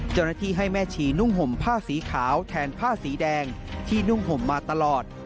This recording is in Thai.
เจ้าหน้าที่ให้แม่ชีนุ่งห่มผ้าสีขาวแทนผ้าสีแดงที่นุ่งห่มมาตลอด